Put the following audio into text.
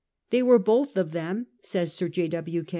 ' They were both of them,' says Sir J.